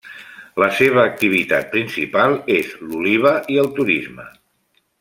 La seva activitat principal és l'oliva i el turisme.